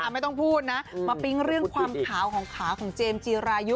ไม่ต้องพูดนะมาปิ๊งเรื่องความขาวของขาของเจมส์จีรายุ